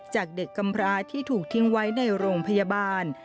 จากเด็กกำพราที่ถูกทิ้งไว้ในโรงพยาบาล